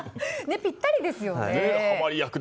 ぴったりですよね。